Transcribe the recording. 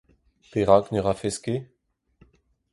Perak ne rafes ket ?